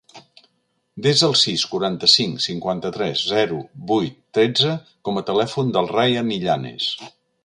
Desa el sis, quaranta-cinc, cinquanta-tres, zero, vuit, tretze com a telèfon del Rayan Illanes.